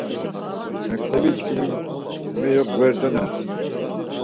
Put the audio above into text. Mektebi ḉkimi meyoģverdoren.